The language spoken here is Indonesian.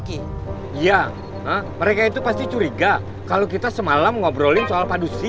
iya mereka itu pasti curiga kalau kita semalam ngobrolin soal padusi